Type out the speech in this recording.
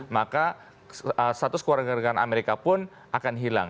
maka status keluarga negaraan amerika pun akan hilang